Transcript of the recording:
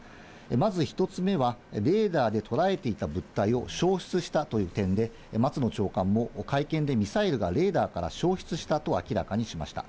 まず１つ目はレーダーでとらえていた物体を消失したという点で、松野長官も会見でミサイルがレーダーから消失したと明らかにしました。